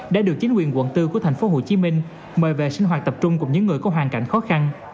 đã được chính quyền quận bốn của tp hcm mời về sinh hoạt tập trung cùng những người có hoàn cảnh khó khăn